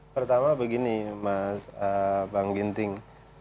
pertama begini mas bang ginting